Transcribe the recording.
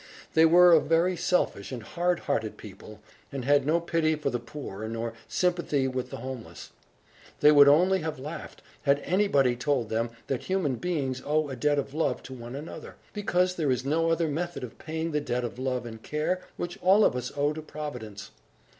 They were a very selfish and hard hearted people, and had no pity for the poor, nor sympathy with the homeless. They would only have laughed, had anybody told them that human beings owe a debt of love to one another, because there is no other method of paying the debt of love and care which all of us owe to Providence.